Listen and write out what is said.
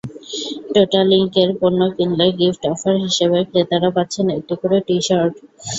টোটোলিংকের পণ্য কিনলে gift offer হিসেবে ক্রেতারা পাচ্ছেন একটি করে টি-শার্ট।